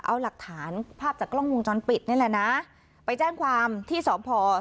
เอาหลักฐานภาพจากกล้องวงจรปิดนี่แหละนะไปแจ้งความที่สพ